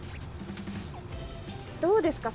どうですか？